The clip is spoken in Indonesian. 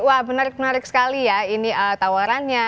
wah menarik menarik sekali ya ini tawarannya